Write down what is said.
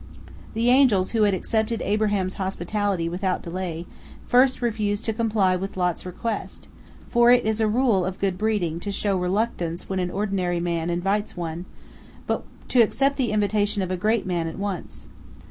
The angels, who had accepted Abraham's hospitality without delay, first refused to comply with Lot's request, for it is a rule of good breeding to show reluctance when an ordinary man invites one, but to accept the invitation of a great man at once.